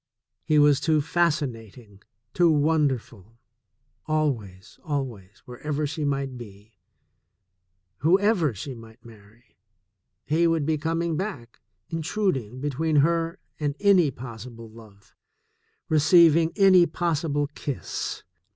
He was too fasci nating, too wonderful. Always, always, wherever she might be, whoever she might marry, he would be com ing back, intruding between her and any possible love, receiving any possible kiss.